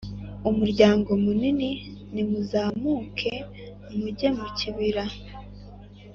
umuryango munini nimuzamuke mujye mu kibira